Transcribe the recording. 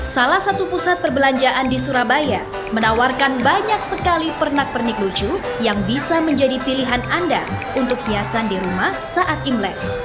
salah satu pusat perbelanjaan di surabaya menawarkan banyak sekali pernak pernik lucu yang bisa menjadi pilihan anda untuk hiasan di rumah saat imlek